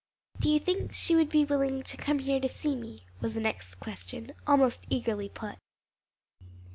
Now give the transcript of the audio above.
"Do you think she would be willing to come here to see me?" was the next question, almost eagerly put.